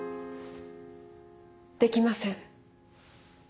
できません。